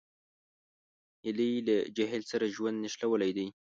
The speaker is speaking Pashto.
هیلۍ له جهیل سره ژوند نښلولی دی